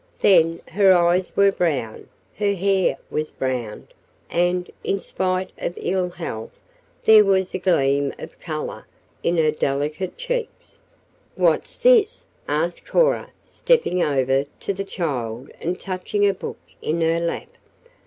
Then, her eyes were brown, her hair was brown and, in spite of ill health, there was a gleam of color in her delicate cheeks. "What's this?" asked Cora, stepping over to the child and touching a book in her lap.